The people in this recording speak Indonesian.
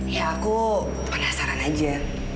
ya aku penasaran aja